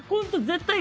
絶対